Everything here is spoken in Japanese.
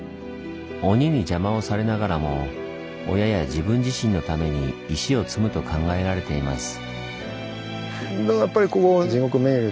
鬼に邪魔をされながらも親や自分自身のために石を積むと考えられています。